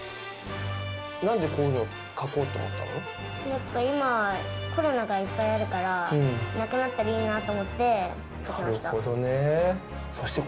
なんでこういうの、なんか今、コロナがいっぱいあるから、なくなったらいいなと思って描きました。